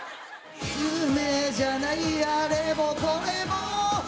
「夢じゃないあれもこれも」